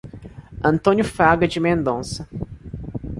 Antônio Fraga de Mendonca